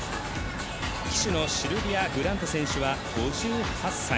旗手のシルビア・グラント選手は５８歳。